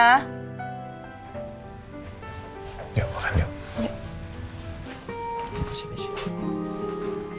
yuk makan yuk